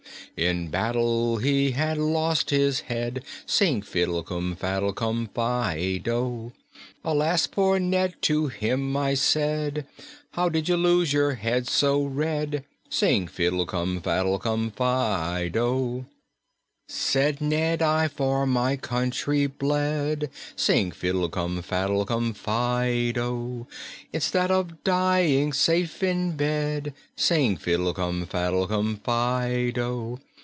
In battle he had lost his head; Sing fiddle cum faddl cum fi do! 'Alas, poor Ned,' to him I said, 'How did you lose your head so red?' Sing fiddle cum faddle cum fi do! "Said Ned: 'I for my country bled,' Sing fiddle cum faddle cum fi do! 'Instead of dying safe in bed', Sing fiddle cum faddle cum fi do!